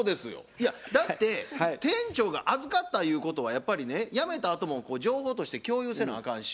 いやだって店長が預かったゆうことはやっぱりね辞めたあとも情報として共有せなあかんし